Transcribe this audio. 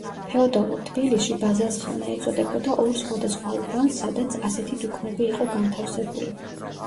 ფეოდალურ თბილისში ბაზაზხანა ეწოდებოდა ორ სხვადასხვა უბანს, სადაც ასეთი დუქნები იყო განთავსებული.